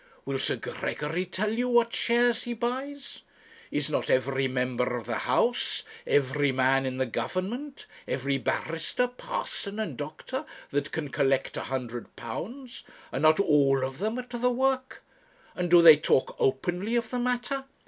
Will Sir Gregory tell you what shares he buys? Is not every member of the House, every man in the Government, every barrister, parson, and doctor, that can collect a hundred pounds, are not all of them at the work? And do they talk openly of the matter?